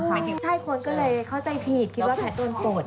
ไม่ใช่คนก็เลยเข้าใจผิดคิดว่าแพทย์โดนกด